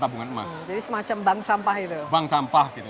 tabungan emas jadi semacam bank sampah itu